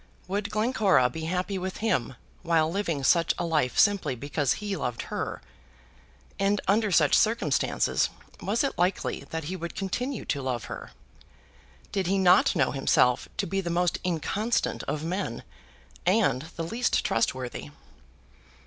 Would Glencora be happy with him while living such a life simply because he loved her? And, under such circumstances, was it likely that he would continue to love her? Did he not know himself to be the most inconstant of men, and the least trustworthy?